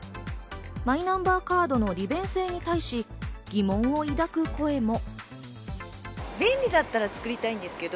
マイナンバーカードの利便性に対し、疑問を抱く声も。